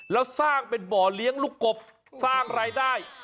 แล้วสร้างเป็นบ่อเลี้ยงลูกกบสร้างรายได้